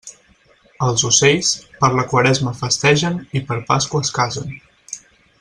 Els ocells, per la Quaresma festegen i per Pasqua es casen.